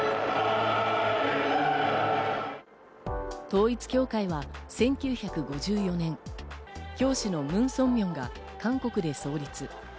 統一教会は１９５４年、教師のムン・ソンミョンが韓国で創立。